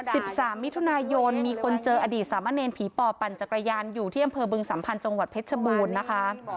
สิบสามมิถุนายนมีคนเจออดีตสามะเนรผีปอบปั่นจักรยานอยู่ที่อำเภอบึงสัมพันธ์จังหวัดเพชรบูรณ์นะคะ